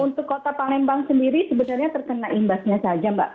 untuk kota palembang sendiri sebenarnya terkena imbasnya saja mbak